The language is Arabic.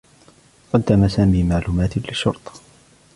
قدّم سامي معلومات للشّرطة.